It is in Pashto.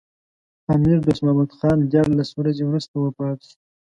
امیر دوست محمد خان دیارلس ورځې وروسته وفات شو.